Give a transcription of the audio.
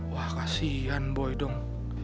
wah kasihan boy dong